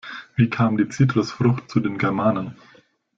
Wie kam die Zitrusfrucht zu den Germanen?